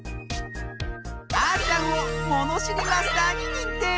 あーちゃんをものしりマスターににんてい！